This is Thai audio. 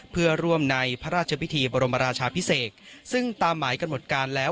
เพื่อร่วมในพระราชพิธีบรมราชาพิเศษซึ่งตามหมายกำหนดการแล้ว